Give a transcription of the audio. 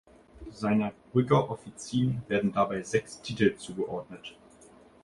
Seiner Brügger Offizin werden dabei sechs Titel zugeordnet.